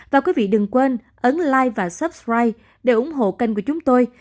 và quý vị đừng quên ấn like và subscribe để ủng hộ kênh của chúng tôi